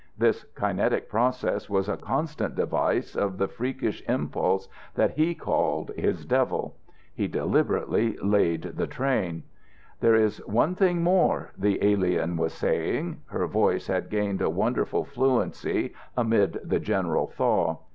This kinetic process was a constant device of the freakish impulse that he called his devil. He deliberately laid the train. "There is one more thing," the alien was saying. Her voice had gained a wonderful fluency amid the general thaw.